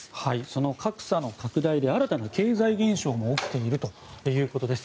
その格差の拡大で新たな経済現象も起きているということです。